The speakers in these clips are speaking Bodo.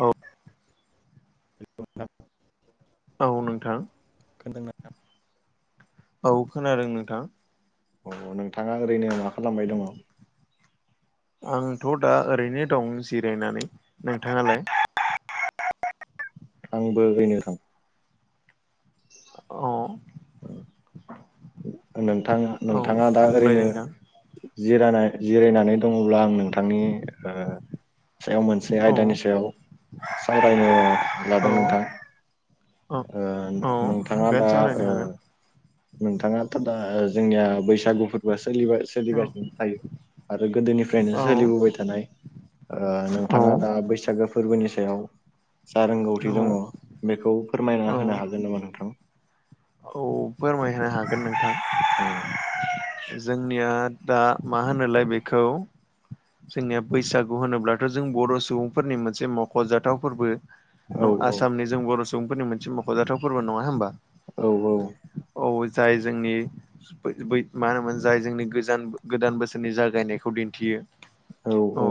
औ। बे। औ नोंथां। खोन्थादो नोंथां। औ खोनादों नोंथां। औ नोंथाङा ओरैनो मा खालामबाय दङ। आंथ दा ओरैनो दं जिरायनानै नोंथाङालाय। आंबो ओरैनो नोंथां। औ। नोंथां औ नोंथाङा दा बुंलाय ओरैनो। नोंथां जिरानाय जिरायनानै दङब्ला आं नोंथांनि ओ। सायाव मोनसे औ आयदानि सायाव सावरायनो। औ लादों नोंथां औ औ ओ नोंथाङा हागोन दा सावरायनो ओ। हागोन नोंथाङाथ' दा जोंनिया बैसागु फोरबोआ सोलिबाय औ सोलिगासिनो थायो आरो गोदोनिफ्रायनो औ सोलिबोबाय थानाय ओ औ नोंथाङा दा बैसागो फोरबोनि सायाव जा रोंगौथि औ दङ' बेखौ औ फोरमायना होनो हागोन नामा नोंथां? औ फोरमायनो हागोन नोंथां। [inaudible] उम। जोंनिया दा मा होनोलाय बेखौ जोंनिया बैसागु होनोब्लाथ' जों बर' सुबुंफोरनि मोनसे मखजाथाव फोरबो। औ आसामनि जों बर' सुबुंफोरनि मोनसे मखजाथाव फोरबो नङा होमबा? औ औ। औ जाय जोंनि बै-बै मा होनोमोन जाय जोंनि गोजान गोदान बोसोरनि जागायनायखौ दिन्थियो। औ।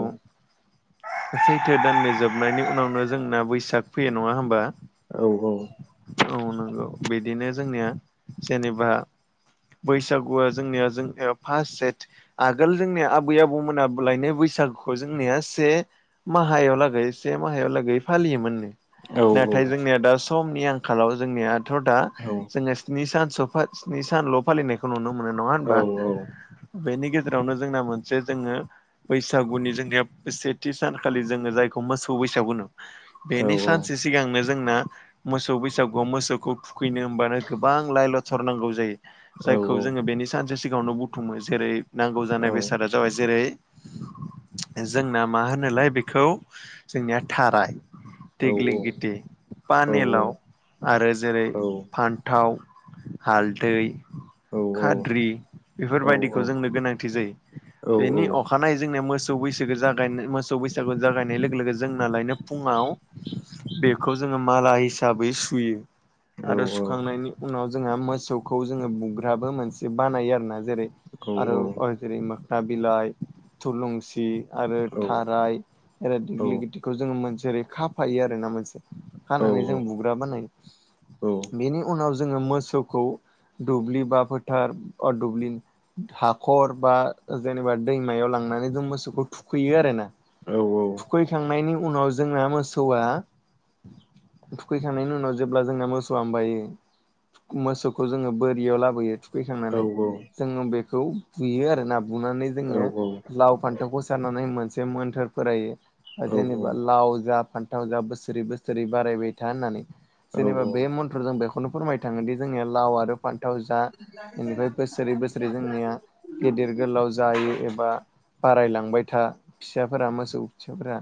सैथो दाननि जोबनायनि उनावनो जोंना बैसाग फैयो नङा होमबा? औ औ। औ नंगौ बिदिनो जोंनिया जेनेबा बैसागुआ जोंनिया जोंनिया फास सेथ आगोल जोंनिया आबै आबौमोना बोलायनो बैसागुखौ जोंनिया से माहायाव लागै से माहायाव लागै फालियोमोननो। नाथाय जोंनिया दा सम नि आंखालाव जोंनियाथ' दा जोङो स्नि सानसो स्नि सानल' फालिनायखौ नुनो मोनो। मोनो नङा होनबा? बेनि गेजेरावनो जोंना मोनसे जोङो बैसागुनि जोंनिया सेथि सानखालि जोङो जाय खौ‌ मोसौ बैसागु होनो‌ बेनि सानसे सिगांनो जोंना मोसौ बैसागुआव मोसौखौ थुखैनो होमबानो गोबां लाइ लथर नांगौ जायो। जायखौ जोङो बेनि सानसे सिगाङावनो बुथुमो। जेरै नांगौ जानाय बेसादा जाबाय, जेरै जोंना मा होनोलाय बेखौ जोंनिया थाराय दिग्लिगिति, पानिलाव आरो जेरै फान्थाव, हालदै खाद्रि बेफोरबायदिखौ जोंनो गोनांथि जायो। बेनि अखानायै जोंनो मोसौ मोसौ बैसोगो जागायनो मोसौ बैसागो जागायनाय लोगो लोगो जोंनालायनो फुङाव बेखौ जोङो माला हिसाबै सुयो। आरो सुखांनायनि उनाव जोङो मोसौखौ जोङो बुग बाबो मोनसे बानायो आरो ना जेरै आरो ओ जेरै मोखना बिलाइ थुलुंसि आरो थाराय आरो दिग्लिलितिखौ जोङो मोनसे ओरै खाफायो आरो ना मोनसे खानानै जों बुग्रा बानायो। बेनि उनाव जोङो मोसौखौ दुब्लि बा फोथार ओ दुब्लिनि हाखर बा जेनेबा दैमायाव लांनानै जों मोसौखौ थुखैयो आरोना। औ औ। खैखांनायनि उनाव जोंना मोसौआ थुखैखांनायनि उनाव जेब्ला जोंना मोसौआ होमबायो मोसौखौ जोङो बोरियाव लाबोयो थुखैखांनानै जोङो बेखौ बुयो आरोना। बुनानै जोङो लाव फान्थावखौ सारनानै मोनसे मोन्थोर फोरायो। ओ जेनेबा लाव जा फान्थाव जा बोसोरै बोसोरै बारायबाय था होननानै। जेनेबा बे मन्थ्रजों बेखौनो फोरमायनो थाङो दि जोंनिया लाव आरो फान्थाव जा इनिफ्राय बोसोरै बोसोरै जोंनिया गेदेर गोलाव जायो एबा बारायलांबाय था फिसाफोरा मोसौ फिसाफोरा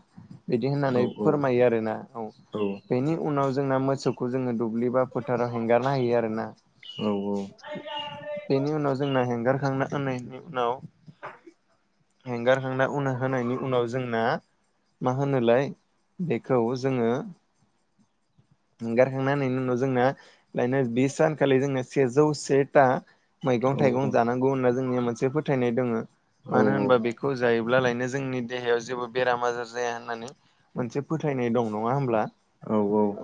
बिदि होननानै फोरमायो आरोना। औ, बेनि उनाव जोंना मोसौखौ जोङो दुब्लि दुब्लिबा फोथाराव हेंगारना होयो आरो ना। बेनि उनाव जोंना हेंगारखांना होनायनि उनाव हेंगारखांना उन होनायनि उनाव जोंना मा होनोलाय बेखौ जोङो हेंगारखांना होननायनि उनाव जोंना नो बि सानखालि जोंना सेजौ से था मैगं थाइगं जानांगौ होनना जोंनिया मोनसे फोथायनाय दङ मानो होनोबा बेखौ जायोबा लायनो जोंनि देहायाव जेबो बेराम आजार जाया होननानै मोनसे फोथायनाय दं नङा होमब्ला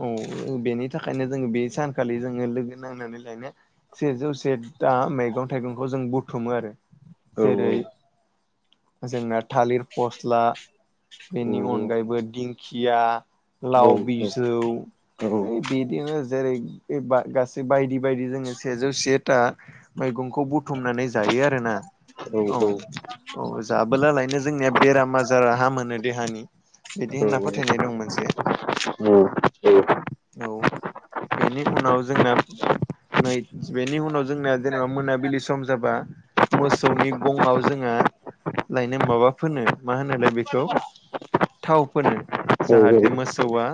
औ बेनि थाखायनो जोङो बे सानखालि जोङो लोगो नांनानै लायनो सेजौ था मैगं थाइगंखौ जों बुथुमो आरो जेरै जोंना थालिर फस्ला बेनि अनगायैबो दिंखिया लाव बिजौ बिदिनो जेरै गासै बायदि बेबायदि जोङो सेजौ से था मैगंखौ बुथुमनानै जायो आरो ना औ औ जाबोला लायनो जोंनिया बेराम आजाराहा मोनो देहानि बिदि होनना फोथायनाय दं मोनसे औ औ बेनि उनाव जोंना नै बेनि उनाव जोंना जेनेबा मोनाबिलि सम जाबा मोसौनि गंआव जोंहा लायनो माबा फोनो मा होनोलाय बेखौ थाव फोनो। औ औ जाहाथे मोसौआ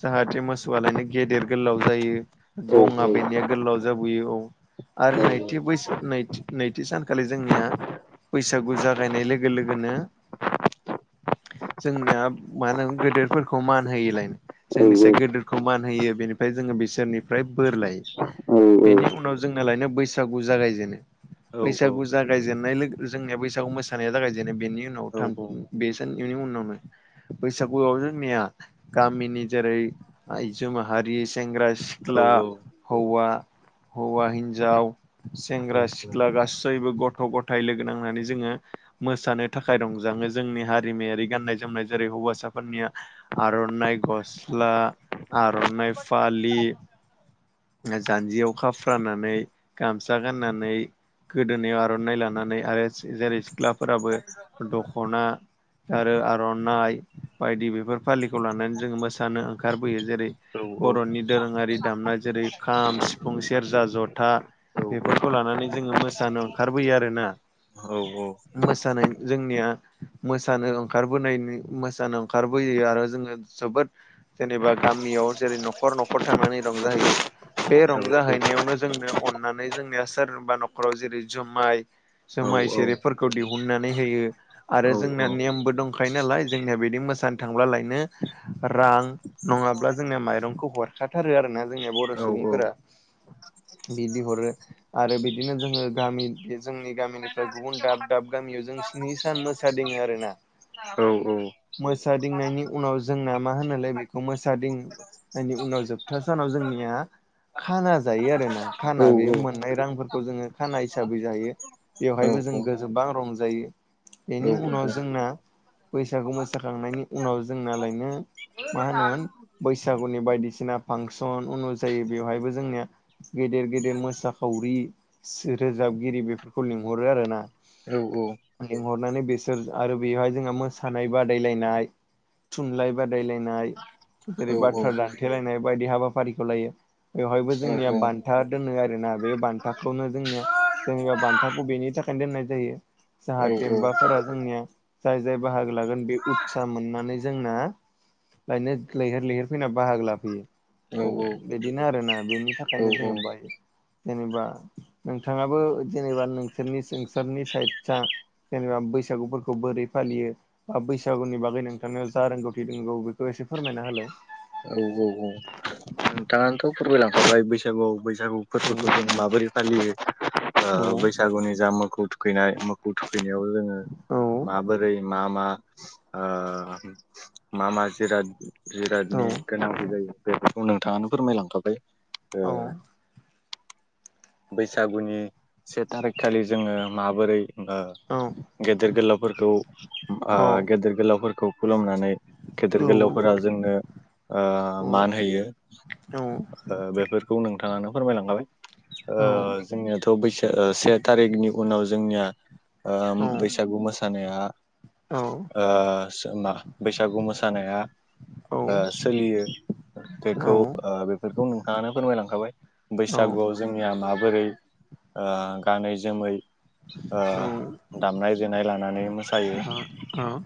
जाहाथे मोसौआलायनो गेदेर गोलाव जायो। गंआ बेनिया गोलाव जाबोयो औ आरो नैथि बैसो नैथि नैथि सानखालि जोंनिया बैसागु जागायनाय लोगो लोगोनो [inaudible] जोंनिया मा होनो गेदिरफोरखौ मान होयोलायनो जोंनिस गेदोरखौ मान होयो बेनिफ्राय जों जोङो बिसोरनिफ्राय बोर लायो बेनि उनाव जोंना लायनो बैसागु जागायजेनो। बैसागु जागायजेननाय लोगो जोंनिया बैसागु मोसानाया जागायजेनाय बेनि उनाव थाम बे उनावनो बैसागुआव जोंनिया गामिनि जेरै आइजो माहारि सेंग्रा सिख्ला हौवा हौवा हिन्जाव सेंग्रा सिख्ला गासैबो गथ' गथाय लोगो नांनानै जोङो मोसानो थाखाय रंजा नो बे जोंनि हारिमायारि गाननाय जोमनाय जेरै हौवासाफोरनि आर'नाइ गस्ला आर'नाइ फालि जान्जियाव खा फ्रानानै गामसा गाननानै गोदोनायाव आर'नाइ लानानै आरो जेरै सिख्लाफोराबो द'खना आरो आर'नाइ बायदि बेफोर फालिखौ लानानै जों मोसानो ओंखारबोयो जेरै बर'नि दोरोङारि दामनाय जेरै खाम, सिफुं, सेरजा, जथा बेफोरखौ लानानै जोङो मोसानो ओंखारबोयो आरोना। औ औ मोसानाय जोंनिया मोसानो ओंखारबोनायनि मोसानो ओंखारबोयो आरो जोङो जोबोद जेनेबा गामियाव जेरै न'खर न'खर थांनानै रंजाहैयो बे रंजाहै यावनो जोंनो अननानै जोंनिया सोरबा न'खराव जेरै जुमाय जुमाय सेरफोरखौ दिहुननानै होयो आरो जोंनिया नेमबो दंखायो नालाय जोंनिया बिदि मोसानो थांब्लालायनो रां नङाब्ला जोंनि माइरंखौ हरखाथारो आरोना जोंनि बर' सुबुंफोरा। [inaudible] बिदिहरो आरो बिदिनो जोङो गामि बे जोंनि गामिनिफ्राय गुबुन दाब दाब गामियाव जों स्नि सान मोसादिङो आरो ना। औ औ मोसादिंनायनि उनाव जोंना मा होनोलाय बेखौ मोसादिंनायनि उनाव जोबथा सानाव जों निया खाना जायो आरोना खाना बे मोननाय रांफोरखौ जोङो खाना हिसाबै जायो। बेवहायबो जों गोजोबां रंजायो बेनि उनाव नोंथाङानोथ' जोंना बैसागु मोसाखांनायनि उनाव जोंनालायनो मा होनोमोन बैसागुनि बायदिसिना फांसन अनुजायै बेवहायबो जोंनिया गेदेर गेदेर मोसाखावरि सो रोजाबगिरि बेफोरखौ लिंहरो आरोना। लिंहरनानै बिसोर आरो बेवहाय जोंहा मोसानाय बादायलायनाय थुनलाइ बादायलायनाय जेरै बाथ्रा दानथेलायनाय बायदि हाबाफारिखौ लायो बेवहायबो ज जोंनिया बान्था दोनो आरोना बे बान्थाखौनो जोंनिया जेनेबा बान्थाखौ बेनि थाखायनो दोननाय जायो। जाहाथे एम्बाफोरा जोंनिया जाय जाय बाहागो लागोन बे उत्सा मोननानै जोंना लायनो लैहोर लैहोर फैना बाहागो लाफैयो औ बिदिनो आरोना बेनि थाखायनो जोङो बायो। जेनेबा नोंथाङाबो जेनेबा नोंसोरनि नोंसोरनि साइदसा जेनेबा बैसागुफोरखौ बोरै फालियो बा बैसागुनि बागै नोंथाङा जा रोंगौथि दोंगौ बेखौ। एसे फोरमायना होलाय [inaudible] आंथ' फोरमायलांखाबाय बैसागु बैसागु औ फोरबोखौ जों माबोरै फालियो। आ औ बैसागुनि जा मोखौ थुखैनाय मोखौ थुख खैनायाव जोङो औ माबोरै मा मा? ओ मा मा जिराद जिरादनि गोनांथि जायो बेफो रखौ नोंथाङानो फोरमायलांखाबाय ओ औ बैसागुनि से थारिख खालि जोङो माबोरै औ गेदेर गोलावफोरखौ आ औ गेदेर गोलावफोरखौ खुलुमनानै गेदेर गोलावफोरा जोंनो ओ औ मान होयो। औ ओ बेफोरखौ नोंथाङानो फोरमायलांखाबाय ओ औ जोंनियाथ' बैसो से थारिखनि उनाव जोंनिया बैसागु मोसानाया ओ मा बैसागु मोसानाया ओ सोलियो बेखौ ओ बेफोरखौ नोंथाङानो फोरमायलांखाबाय बैसागुआव जोंनिया माब बोरै आ गानै जोमै ओ दामनाय देनाय लानानै मोसायो।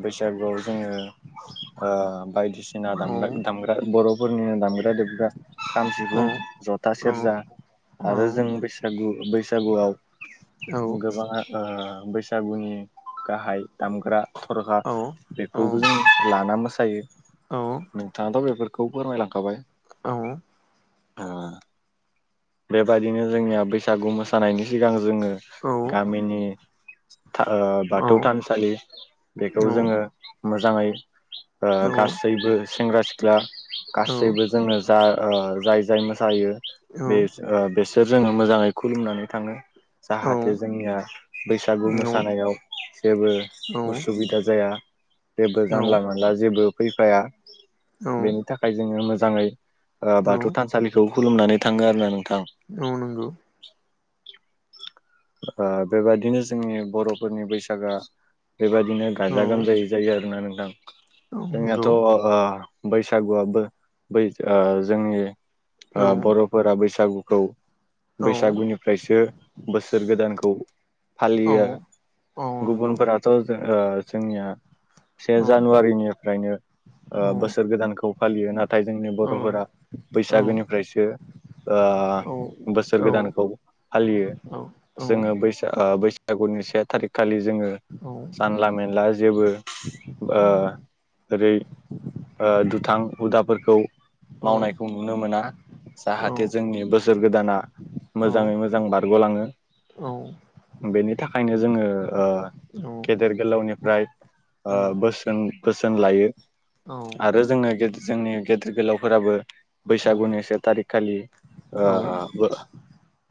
बैसागुआव जोङो। ओ औ बायदिसिना औ दाम - दामग्रा बर'फोरनि दामग्रा दे ग्रा खाम सिफुं औ जथा औ सेरजा आरो जों बैसागु बैसागुआव गोबाङा ओ बैसागुनि गाहाय दामग्रा थरखा बेखौबो जों लाना मोसा यो औ नोंथाङाथ' बेफोरखौ फोरमायलांखाबाय औ ओ बेबायदिनो जोंनिया बैसागु मोसानायनि सिगां जोङो। गामिनि ओ बाथौ थानसालि बेखौ जोङो। मोजाङै ओ गासैबो सेंग्रा सिख्ला गासैबो जोंनो। जा ओ जाय जाय मोसायो। बे ओ बेसोर जोङो मोजाङै खुलुमनानै थाङो। जाहाथे जोंनिया बैसागु मोसानायाव जेबो उसुबिदा जाया। जेबो जानला मोनानला जेबो फैफाया बेनि थाखाय जोङो मोजाङै। ओ बाथौ थानसालिखौ खुलुमनानै थाङो आरो ना। औ नंगौ। ओ बेबायादिनो जोंनि बर'फोरनि बैसागआ। बेबायदिनो गाजा गोमजायै जायो आरोना नोंथां जोंनियाथ' बैसागुआबो ब जोंनि बर'फोरा बैसागुखौ। बैसागुनिफ्रायसो बोसोर फालियो गुबुनफोराथ' जोंनिया से जानुवारिनिफ्रायनो ओ बोसोर गोदानखौ फालियो नाथाय जोंनि बर'फोरा बैसागोनिफ्रायसो ओ बोसोर गोदानखौ फालियो। जोङो बै बैसागुनि से थारिख खालि जोङो जानला मेनला जेबो ओरै आ दुथां हुदाफोरखौ मावनायखौ नुनो मोना जाहाथे जोंनि बोसोर गोदाना मोजाङै मोजां बारग'लाङो बेनि थाखायनो जोङो ओ गेदेर गोलावनिफ्राय ओ बोसोन बोसोन लायो आरो जोङो जोंनि गेदेर गोलाव फोराबो बैसागुनि से थारि खालि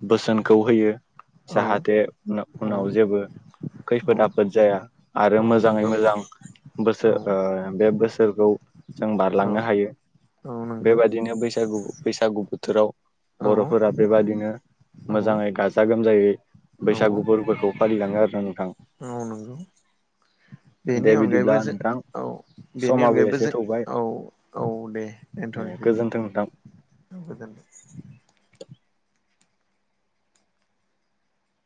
बोसोन खौ होयो औ जाहाथे औ उनाव जेबो औ खैफोद आफोद जाया आरो औ मोजाङै नंगौ मोजां औ बोसोर ओ बे बोसोरखौ जों औ बारलांनो हायो औ नंगौ बेबादिनो बैसागु बैसागु बोथोराव औ बर'फोरा बेबादिनो औ मोजाङै गाजा गोमजायै बैसागु फोरफोरखौ फालिलाङो आरोना नोंथां औ नंगौ बेनि दे अनगायैबो बिदिब्ला जों नोंथां औ बेनि समाबो अनगायैबो एसे जों थौबाय औ औ औ दे ए दोन्थ'नि गोजोन्थों नोंथां। [unintelligible]